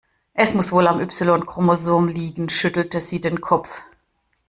Es muss wohl am Y-Chromosom liegen, schüttelte sie den Kopf.